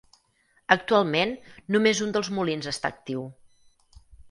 Actualment només un dels molins està actiu.